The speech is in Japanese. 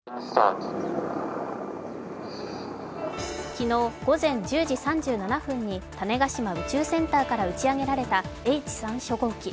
昨日、午前１０時３７分に種子島宇宙センターから打ち上げられたＨ３初号機。